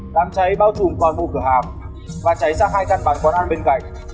đám cháy báo chùm toàn vùng cửa hàng và cháy sang hai căn bán quán ăn bên cạnh